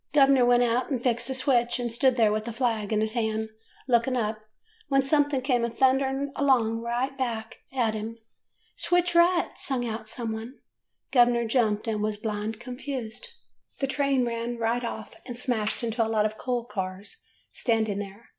Gov 'ner went out and fixed the switch, and stood there with the flag in his hand looking up, when something come a thundering along right back of him. "'Switch right?" sung out some one. "Gov'ner jumped and was blind confused. 4 — An Easter Lily AN EASTER LILY. The train ran right off and smashed into a lot of coal cars standing there.